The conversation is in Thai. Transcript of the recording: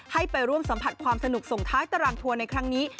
ให้ไปร่วมสัมผัสความสนุกส่งท้ายตารางทัวร์ในครั้งนี้